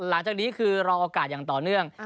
หลังจากนี้คือรอโอกาสอย่างต่อเนื่อง